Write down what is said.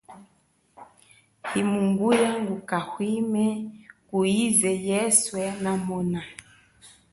Himunguya nguka hwime kuize yeswe namona.